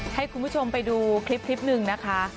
ให้คุณผู้ชมไปดูคลิปหนึ่งนะคะ